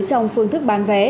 trong phương thức bán vé